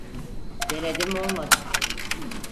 Denedim olmadı